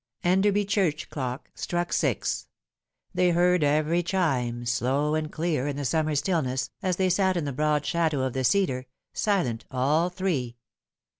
ENDBRBY Church clock struck six. They heard every chime, slow and clear in the summer stillness, as they sat in the broad shadow of the cedar, silent all three.